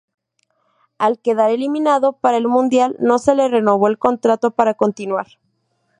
Al quedar eliminado para el Mundial no se le renovó el contrato para continuar.